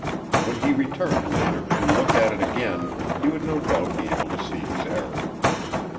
When he returned later and looked at it again he would no doubt be able to see his error.